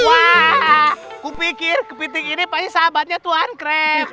wah kupikir kepiting ini pasti sahabatnya tuan craf